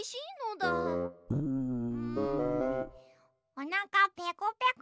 おなかペコペコ。